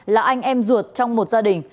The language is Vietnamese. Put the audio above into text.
là anh em ruột trong một gia đình